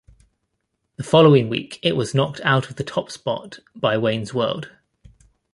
The following week it was knocked out of the top spot by "Wayne's World".